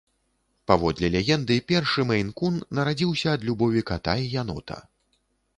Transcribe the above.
Паводле легенды, першы мэйн-кун нарадзіўся ад любові ката і янота.